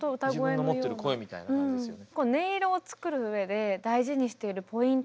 自分の持ってる声みたいな感じですよね。